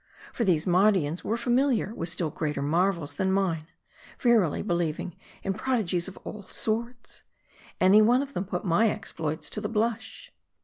For these Mardians were familiar with still greater marvels than mine ; verily believing in prodigies of all sorts. Any one of them put my exploits to the blush.